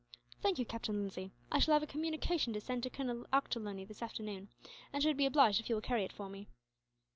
"Thank you, Captain Lindsay. I shall have a communication to send to Colonel Ochterlony this afternoon, and should be obliged if you will carry it for me."